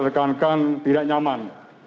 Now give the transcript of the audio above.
rekan rekan tidak nyaman